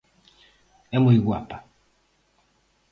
_É moi guapa.